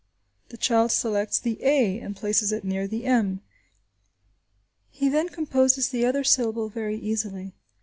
The child selects the a and places it near the m. He then composes the other syllable very easily.